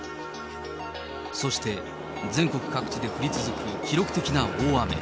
そして、全国各地で降り続く記録的な大雨。